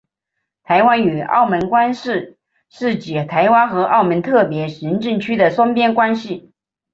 台湾与澳门关系是指台湾和澳门特别行政区的双边关系。